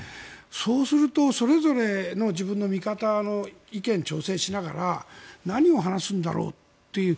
そうすると、それぞれの自分の味方の意見を調整しながら何を話すんだろうという。